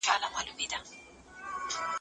ده د پښتنو يووالي لپاره هڅه وکړه